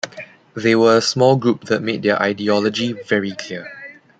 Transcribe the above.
They were a small group that made their ideology very clear.